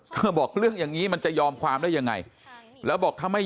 บอกเรื่องอย่างนี้มันจะยอมความได้ยังไงแล้วบอกถ้าไม่